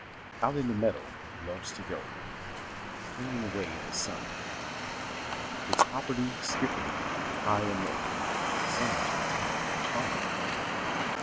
Out in the meadow he loves to go, Playing away in the sun; It's hopperty, skipperty, high and low — Summer's the time for fun.